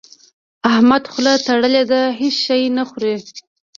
احمد خوله تړلې ده؛ هيڅ شی نه خوري.